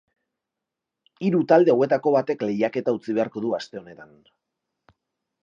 Hiru talde hauetako batek lehiaketa utzi beharko du aste honetan.